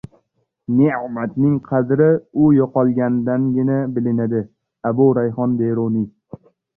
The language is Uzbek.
Ne’matning qadri u yo‘qolgandagina bilinadi. Abu Rayhon Beruniy